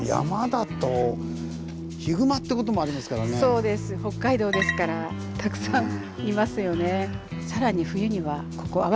そうです北海道ですからたくさんいますよね。